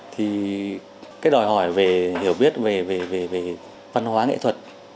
thì cái đòi hỏi về hiểu biết về văn hóa nghệ thuật